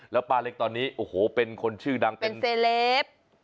แล้วป้าเล็กตอนนี้โอ้โหเป็นคนชื่อดังเป็นเซเลป